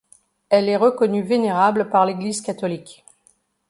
Elle est reconnue vénérable par l'Église catholique.